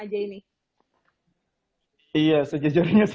diseases saya lupa hahaha